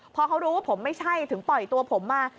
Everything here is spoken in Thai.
พอเขารู้ว่าผมไม่ใช่ถึงปล่อยตัวผมมา